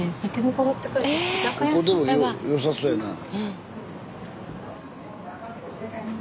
ここでも良さそうやなあ。